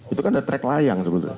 itu kan ada trek layang